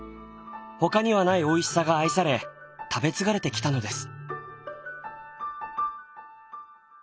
他にはないおいしさが愛され食べ継がれてきたのです。